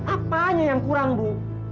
apanya yang kurang bu